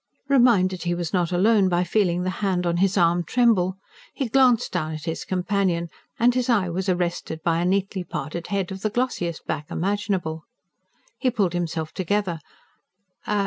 Reminded he was not alone by feeling the hand on his arm tremble, he glanced down at his companion; and his eye was arrested by a neatly parted head, of the glossiest black imaginable. He pulled himself together.